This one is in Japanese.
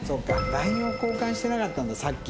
ＬＩＮＥを交換してなかったんださっき。